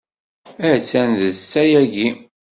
Attan d ssetta yagi.